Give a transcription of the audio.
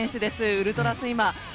ウルトラスイマー。